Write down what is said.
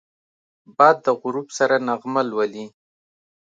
باد د غروب سره نغمه لولي